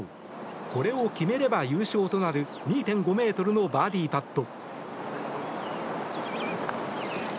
これを決めれば優勝となる２．５ｍのバーディーパット。